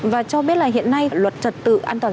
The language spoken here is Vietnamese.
và cho biết là hiện nay luật trật tự an toàn